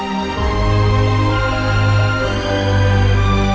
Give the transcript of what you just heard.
ขอเป็นข้ารอพระบาททุกชาติไป